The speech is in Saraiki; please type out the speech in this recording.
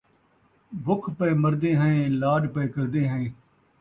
بکھ پئے مردے ہیں، لاݙ پئے کردے ہیں